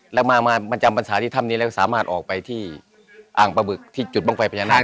แล้วมามามันจำปรรสาหรือธรรมนี้แล้วสามารถออกไปที่อ่างประบึกที่จูดบ้างไฟพญานาค